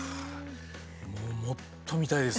もっと見たいです。